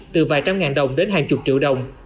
từ vài trăm ngàn đồng đến hàng chục triệu đồng